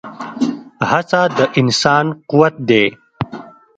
هڅه د انسان قوت دی.